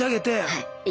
はい。